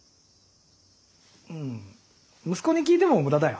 うん息子に聞いても無駄だよ。